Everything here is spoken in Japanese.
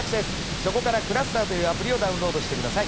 そこからｃｌｕｓｔｅｒというアプリをダウンロードしてください。